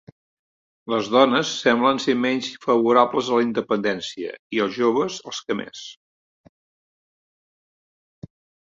Les dones semblen ser menys favorables a la independència i els joves els que més.